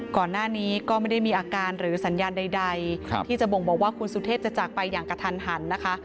ก่อนหน้านี้ก็ไม่ได้มีอาการหรือสัญญาณใดที่จะบ่งบอกว่าคุณสุเทพจะจากไปอย่างกระทันหันนะคะ